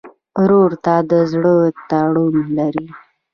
ورور ته د زړه تړون لرې.